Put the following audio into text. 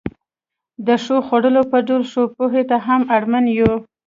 د ښو خوړو په ډول ښې پوهې ته هم اړمن یو.